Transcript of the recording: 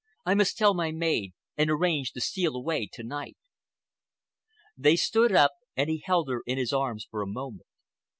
I must tell my maid and arrange to steal away to night." They stood up, and he held her in his arms for a moment.